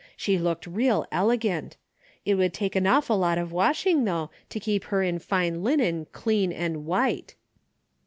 She looked real elegant. It would take an awful lot of washing though, to keep her in fine linen ' clean and white.